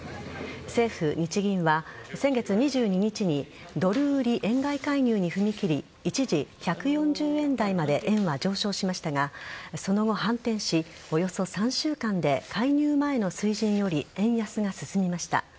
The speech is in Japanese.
政府・日銀は先月２２日にドル売り円買い介入に踏み切り一時１４０円台まで円は上昇しましたがその後、反転しおよそ３週間で介入前の水準より円安が進みました。